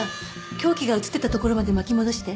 凶器が映ってたところまで巻き戻して。